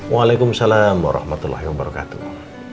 waalaikumsalam warahmatullahi wabarakatuh